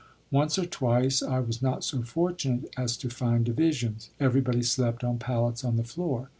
Once or twice I was not so fortunate as to find divisions; everybody slept on pallets on the floor.